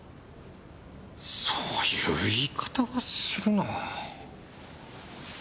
そういう言い方はするな。